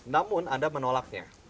namun anda menolaknya